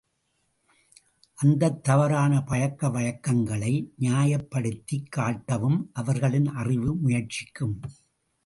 அந்தத் தவறான பழக்க வழக்கங்களை நியாயப் படுத்திக் காட்டவும் அவர்களின் அறிவு முயற்சிக்கும்.